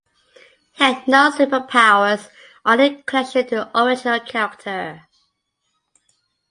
He had no superpowers or any connection to the original character.